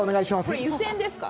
これ湯煎ですか？